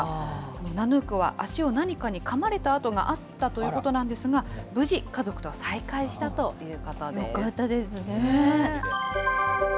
ナヌークは足を何かにかまれた痕があったということなんですが、無事、家族と再会したということよかったですね。